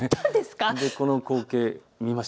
この光景、見ました。